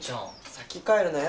先帰るなよ